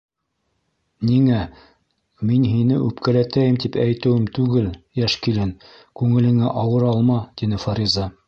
— Ниңә, мин һине үпкәләтәйем тип әйтеүем түгел, йәш килен, күңелеңә ауыр алма, — тине Фариза.